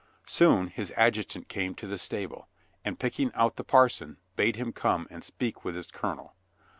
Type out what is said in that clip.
Soon his adjutant came to the stable, and picking out the parson, bade him come and speak with his colonel.